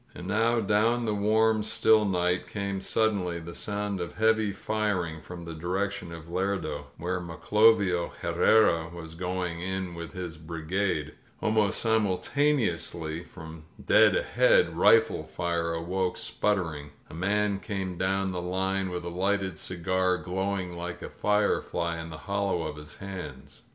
•••" And now down the warm, still night came suddenly the soimd of heavy firing from the direction of Lerdo, where Maclovio Herrera was going in with his brigade. Almost simultaneously from dead ahead rifle fire awoke sputtering. A man came down the line with a lighted cigar glowing like a firefly in the hollow of his hands.